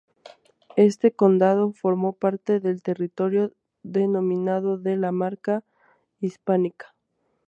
Este condado formó parte del territorio denominado la Marca Hispánica.